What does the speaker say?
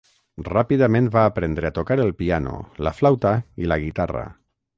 Ràpidament va aprendre a tocar el piano, la flauta i la guitarra.